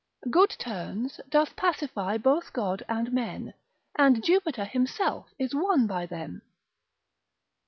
Good turns doth pacify both God and men, And Jupiter himself is won by them.